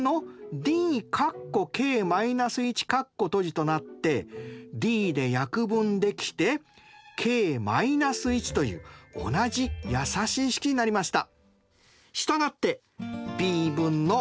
となってｄで約分できてｋ−１という同じ易しい式になりました。